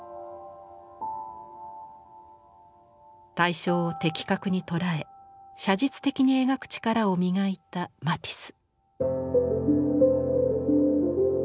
対象を的確に捉え写実的に描く力を磨いたマティス。